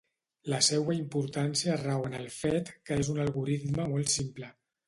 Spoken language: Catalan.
La seua importància rau en el fet que és un algoritme molt simple.